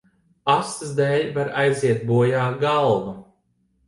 Astes dēļ var aiziet bojā galva.